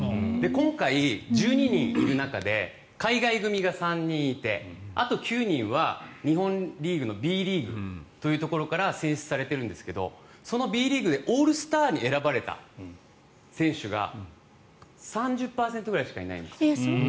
今回、１２人いる中で海外組が３人いてあと９人は日本リーグのＢリーグというところから選出されてるんですがそのＢリーグでオールスターに選ばれた選手が３０％くらいしかいないんです。